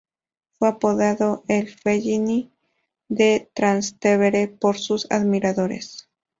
Fue apodado "el Fellini de Trastevere" por sus admiradores.